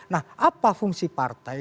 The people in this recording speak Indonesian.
nah apa fungsi partai